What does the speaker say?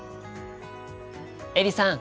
エリさん